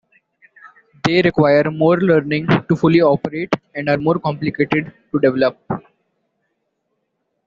They require more learning to fully operate and are more complicated to develop.